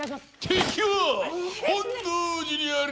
敵は本能寺にあり！